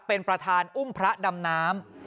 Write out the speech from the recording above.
เป็นประธานอุ้มพระดำน้ำ